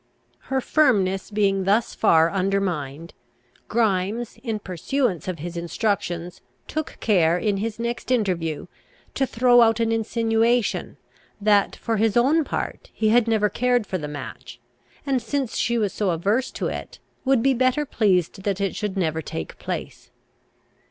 Her firmness being thus far undermined, Grimes, in pursuance of his instructions, took care, in his next interview, to throw out an insinuation that, for his own part, he had never cared for the match, and since she was so averse to it, would be better pleased that it should never take place.